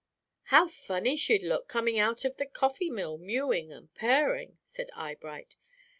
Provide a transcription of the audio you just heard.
"How funny she'd look, coming out of the coffee mill, mewing and purring," said Eyebright.